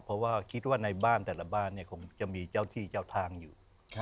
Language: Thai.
เพราะว่าคิดว่าในบ้านแต่ละบ้านคงจะมีเจ้าที่เจ้าทางอยู่